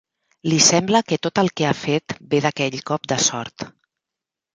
Li sembla que tot el que ha fet ve d'aquell cop de sort.